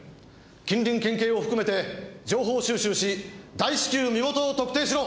近隣県警を含めて情報収集し大至急身元を特定しろ！